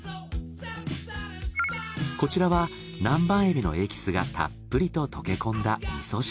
こちらは南蛮エビのエキスがたっぷりと溶け込んだ味噌汁。